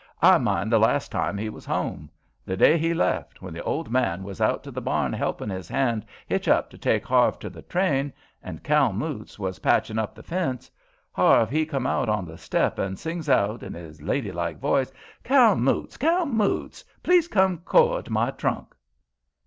"I mind the last time he was home; the day he left, when the old man was out to the barn helpin' his hand hitch up to take Harve to the train, and Cal Moots was patchin' up the fence; Harve, he come out on the step and sings out, in his lady like voice: 'Cal Moots, Cal Moots! please come cord my trunk.'"